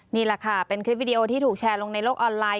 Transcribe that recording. นี่แหละค่ะเป็นคลิปวิดีโอที่ถูกแชร์ลงในโลกออนไลน